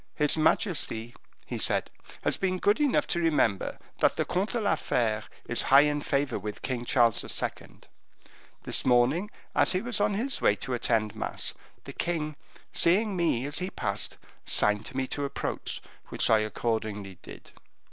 "His majesty," he said, "has been good enough to remember that the Comte de la Fere is high in favor with King Charles II. This morning, as he was on his way to attend mass, the king, seeing me as he passed, signed to me to approach, which I accordingly did.